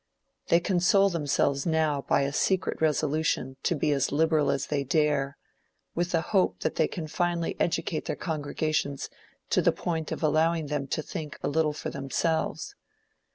They console themselves now by a secret resolution to be as liberal as they dare, with the hope that they can finally educate their congregations to the point of allowing them to think a little for themselves.